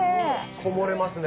こもれますね。